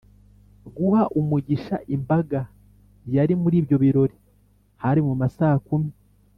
guha umugisha imbaga yari muri ibyo birori hari mu ma saakumi